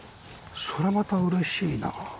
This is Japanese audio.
それまた嬉しいな。